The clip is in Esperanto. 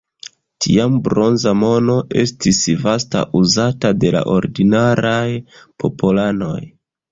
Tiam bronza mono estis vasta uzata de la ordinaraj popolanoj.